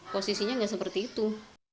posisinya nggak seperti itu